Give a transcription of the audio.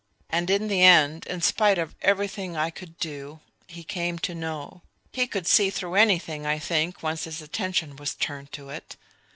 "And in the end, in spite of everything I could do, he came to know.... He could see through anything, I think, once his attention was turned to it.